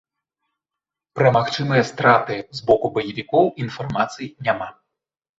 Пра магчымыя страты з боку баевікоў інфармацыі няма.